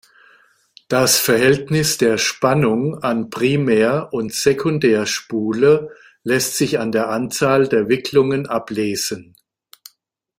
Das Verhältnis der Spannung an Primär- und Sekundärspule lässt sich an der Anzahl der Wicklungen ablesen.